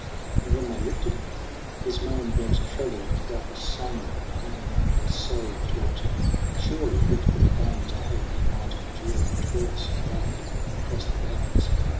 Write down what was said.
And when they lifted him, His moan went treble like a song of pain, He was so tortured. Surely it were vain To hope he might endure the toilsome ride Across the barrens.